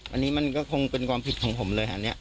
อันนี้มันก็คงเป็นความผิดของผมเลยฮะเนี่ย